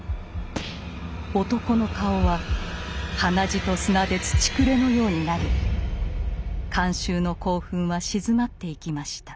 男の顔は鼻血と砂で「土くれ」のようになり観衆の興奮はしずまっていきました。